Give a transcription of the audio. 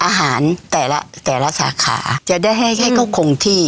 อาหารแต่ละสาขาจะได้ให้ก็คงที่